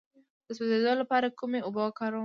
د سوځیدو لپاره کومې اوبه وکاروم؟